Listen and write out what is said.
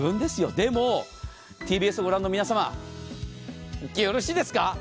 でも、ＴＢＳを御覧の皆様、よろしいですか。